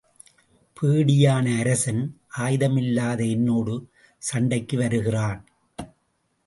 பேடியான அரசன் ஆயுதமில்லாத என்னோடு சண்டைக்கு வருகிறான்.